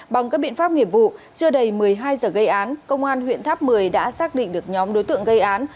bằng các biện pháp nghiệp vụ chưa đầy một mươi hai giờ gây án công an huyện tháp một mươi đã xác định được nhóm đối tượng gây án